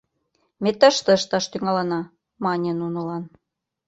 «Ме тыште ышташ тӱҥалына! — мане нунылан.